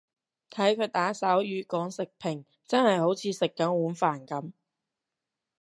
睇佢打手語講食評真係好似食緊碗飯噉